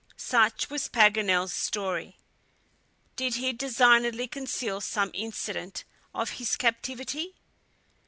Such was Paganel's story. Did he designedly conceal some incident of his captivity?